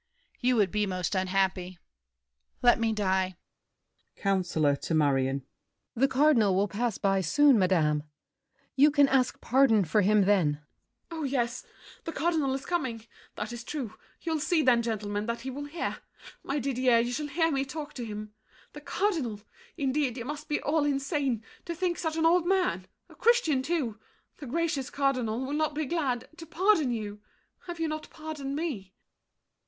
You would be most unhappy. Let me die! COUNCILOR (to Marion). The Cardinal will pass by soon, madame! You can ask pardon for him then. MARION. Oh, yes! The Cardinal is coming—that is true. You'll see, then, gentlemen, that he will hear! My Didier, you shall hear me talk to him! The Cardinal! Indeed, you must be all insane, To think such an old man—a Christian too, The gracious Cardinal—will not be glad To pardon you. Have you not pardoned me?